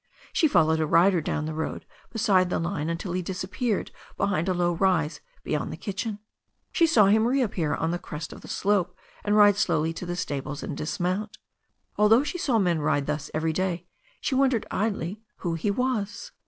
She followed a rider down the road beside the line until he disappeared behind a low rise beyond the kitchen. She saw him reappear on the crest of the slope and ride slowly to the stables and dismount. Al though she saw men ride thus every day, she wondered idly who he was.